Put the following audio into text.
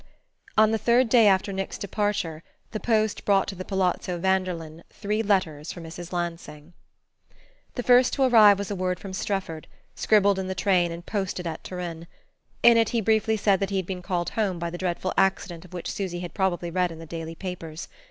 On the third day after Nick's departure the post brought to the Palazzo Vanderlyn three letters for Mrs. Lansing. The first to arrive was a word from Strefford, scribbled in the train and posted at Turin. In it he briefly said that he had been called home by the dreadful accident of which Susy had probably read in the daily papers.